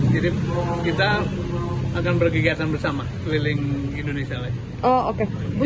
jadi kita akan bergegasan bersama keliling indonesia lagi